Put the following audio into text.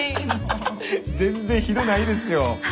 ハハハハ全然ひどないですよ。